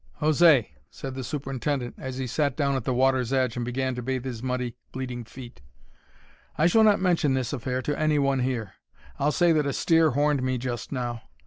"José," said the superintendent, as he sat down at the water's edge and began to bathe his muddy, bleeding feet, "I shall not mention this affair to any one here. I'll say that a steer horned me just now.